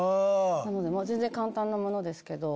全然簡単なものですけど。